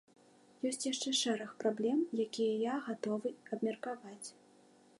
Ёсць яшчэ шэраг праблем, якія я гатовы абмеркаваць.